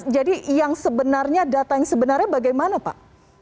jadi data yang sebenarnya bagaimana pak